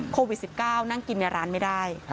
โควิด๑๙นั่งกินในร้านไม่ได้